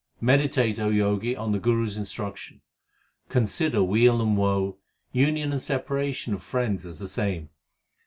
Meditate, O Jogi, on the Guru s instruction. Consider weal and woe, union and separation of friends as the same.